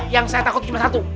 yang saya takut cuma satu